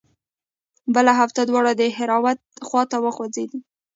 بله هفته دواړه د دهراوت خوا ته وخوځېدو.